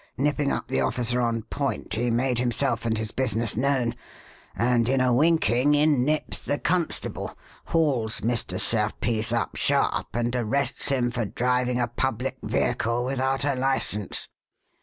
Nipping up the officer on point, he made himself and his business known, and, in a winking, in nips the constable, hauls Mr. Serpice up sharp, and arrests him for driving a public vehicle without a license."